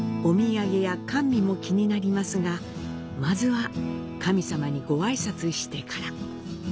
お土産や甘味も気になりますが、まずは神様にご挨拶してから。